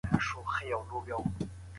ټولنیزو اړیکو لنډه شننه